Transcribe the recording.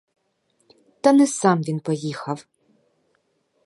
Та не сам він поїхав.